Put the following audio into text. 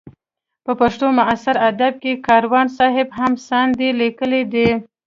په پښتو معاصر ادب کې کاروان صاحب هم ساندې لیکلې دي.